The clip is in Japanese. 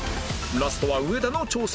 ラストは上田の挑戦